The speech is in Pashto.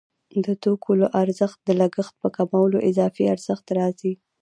د توکو له ارزښت د لګښت په کمولو اضافي ارزښت راځي